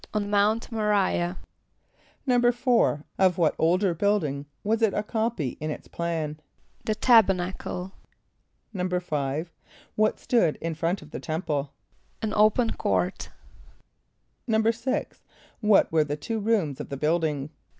=On Mount M[+o] r[=i]´ah.= =4.= Of what older building was it a copy in its plan? =The Tabernacle.= =5.= What stood in front of the temple? =An open court.= =6.= What were the two rooms of the building?